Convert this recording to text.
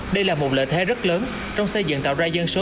đây là một lợi thế rất lớn trong xây dựng tạo ra dân số